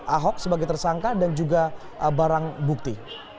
ahok sebagai tersangka dan juga barang bukti